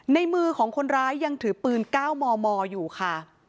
ในมือของคนร้ายยังถือปืน๙มมอยู่ค่ะ